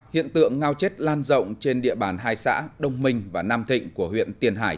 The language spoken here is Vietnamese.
hiện tượng ngao chết lan rộng trên địa bàn hai xã đông minh và nam thịnh của huyện tiền hải